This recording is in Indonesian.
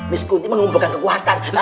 miss kunti mengumpulkan kekuatan